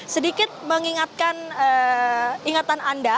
sedikit mengingatkan ingatan anda